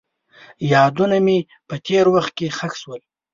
یادونه مې په تېر وخت کې ښخ شول.